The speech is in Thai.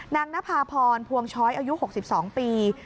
นภาพรพวงช้อยอายุ๖๒ปี